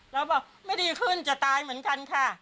แล้วบอกไม่ดีขึ้นจะตายเหมือนกันค่ะ